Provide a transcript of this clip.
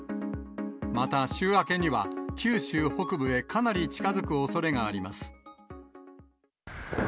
また週明けには、九州北部へかなり近づくおそれがあります。